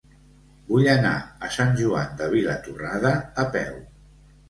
Vull anar a Sant Joan de Vilatorrada a peu.